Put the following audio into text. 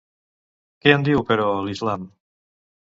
Què en diu, però, l'islam?